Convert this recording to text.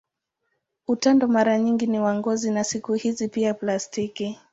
Utando mara nyingi ni wa ngozi na siku hizi pia plastiki.